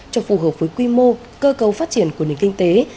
cho phù hợp với quy mô cơ cấu phát triển của nền kinh tế